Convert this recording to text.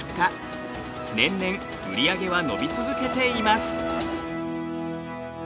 年々売り上げは伸び続けています。